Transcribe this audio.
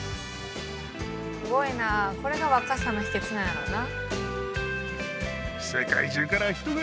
すごいなあこれが若さの秘けつなんやろうな。